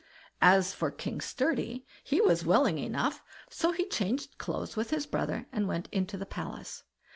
As for King Sturdy, he was willing enough, so he changed clothes with his brother and went into the palace.